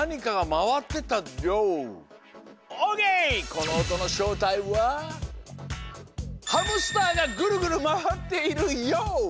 このおとのしょうたいはハムスターがグルグルまわっているＹＯ！